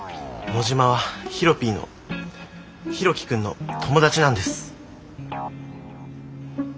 野嶋はヒロピーの博喜くんの友達なんです。